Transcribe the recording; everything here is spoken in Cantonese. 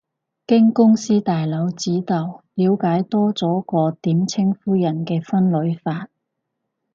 經公司大佬指導，了解多咗個點稱呼人嘅分類法